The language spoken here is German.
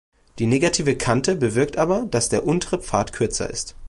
Die negative Kante bewirkt aber, dass der untere Pfad kürzer ist.